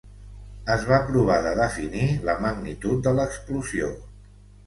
Es va provar de definir la magnitud de l'explosió.